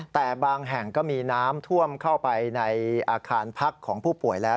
แต่บางแห่งก็มีน้ำท่วมเข้าไปในอาคารพักของผู้ป่วยแล้ว